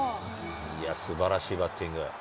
いや、すばらしいバッティング。